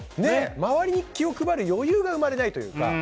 周りに気を配る余裕が生まれないというか。